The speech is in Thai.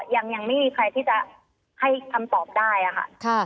ยังไม่มีใครที่จะให้คำตอบได้ค่ะ